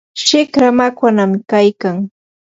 shikra makwanami kaykan.